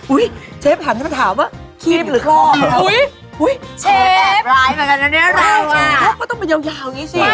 อุ๊ยเชฟถามแล้วถามว่าขีบหรือคลอบคะอุ๊ยเชฟแล้วค่ะเขาต้องมียาวอย่างนี้สิ